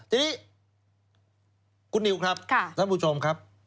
ทีนี้คุณนิวครับท่านผู้ชมครับ